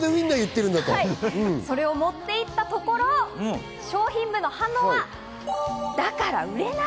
それを持っていったところ商品部の反応は、だから売れない。